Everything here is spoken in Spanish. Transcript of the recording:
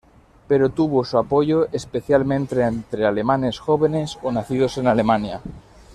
Pero tuvo su apoyo especialmente entre alemanes jóvenes o nacidos en Alemania.